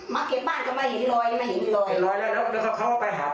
มาเก็บบ้านก็ไม่เห็นอีดรอยไม่เห็นอีดรอย